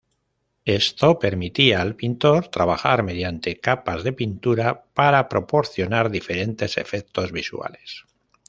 Esto permitía al pintor trabajar mediante capas de pintura para proporcionar diferentes efectos visuales.